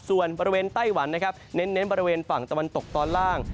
ส่วนบริเวณไต้หวันนะครับเน้นบริเวณฝั่งตะวันตกตอนล่าง